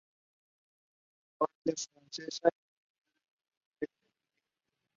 Por parte francesa, las unidades que defendieron St.